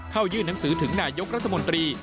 ยื่นหนังสือถึงนายกรัฐมนตรี